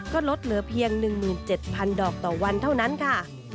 ก็ลดเหลือเพียง๑๗๐๐ดอกต่อวันเท่านั้นค่ะ